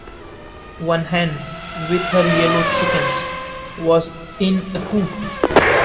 One hen, with her yellow chickens, was in a coop.